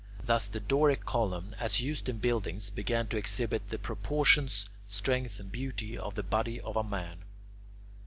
Thus the Doric column, as used in buildings, began to exhibit the proportions, strength, and beauty of the body of a man.